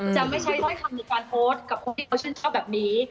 จะไม่ใช่ถ้อยคำในการโพสต์กับคนที่เขาชื่นชอบแบบนี้